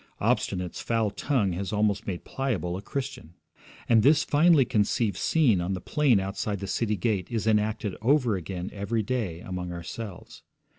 Obstinate's foul tongue has almost made Pliable a Christian. And this finely conceived scene on the plain outside the city gate is enacted over again every day among ourselves.